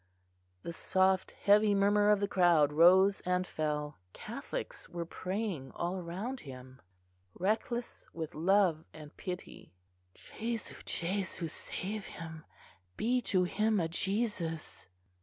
... The soft heavy murmur of the crowd rose and fell. Catholics were praying all round him, reckless with love and pity: "Jesu, Jesu, save him! Be to him a Jesus!"...